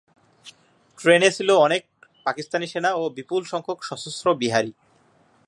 ট্রেনে ছিল অনেক পাকিস্তানি সেনা ও বিপুলসংখ্যক সশস্ত্র বিহারি।